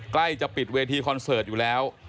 ใกล้จะปิดเวทีคอนเสิร์ตอยู่แล้ว